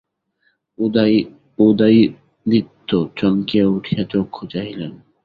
উদয়াদিত্য চমকিয়া উঠিয়া চক্ষু চাহিলেন।